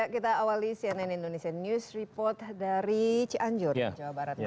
kita awali cnn indonesia news report dari cianjur jawa barat